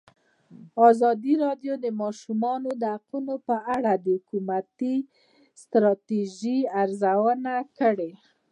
ازادي راډیو د د ماشومانو حقونه په اړه د حکومتي ستراتیژۍ ارزونه کړې.